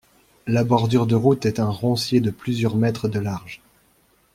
La bordure de route est un roncier de plusieurs mètres de large.